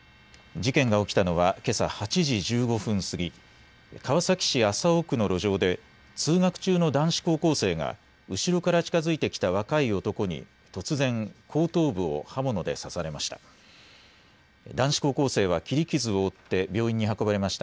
事件が起きたのはけさ８時１５分過ぎ、川崎市麻生区の路上で通学中の男子高校生が後ろから近づいてきた若い男に突然後頭部を刃物で刺されました。